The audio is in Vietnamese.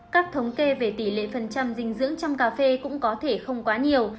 các thống kê về tỷ lệ phần trăm dinh dưỡng trong cà phê cũng có thể không quá nhiều